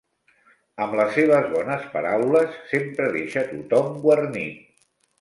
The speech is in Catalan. Amb les seves bones paraules, sempre deixa tothom guarnit.